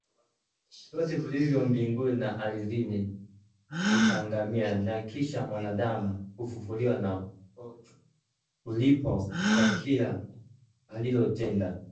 Vyote vilivyo mbinguni na ardhini vitaangamia na kisha mwanadamu kufufuliwa na kulipwa kwa kila alilotenda